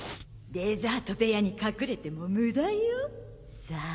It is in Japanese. デザート部屋に隠れても無駄よ。